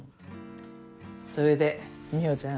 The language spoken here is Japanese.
それで美帆ちゃん